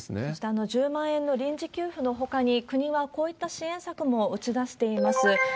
そして、１０万円の臨時給付のほかに、国はこういった支援策も打ち出しています。